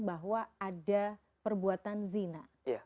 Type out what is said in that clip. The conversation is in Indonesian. bahwa ada perbuatan zina